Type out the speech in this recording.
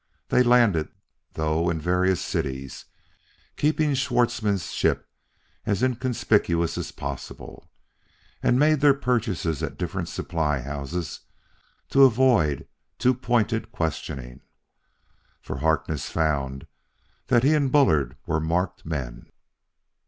They landed, though, in various cities, keeping Schwartzmann's ship as inconspicuous as possible, and made their purchases at different supply houses to avoid too pointed questioning. For Harkness found that he and Bullard were marked men.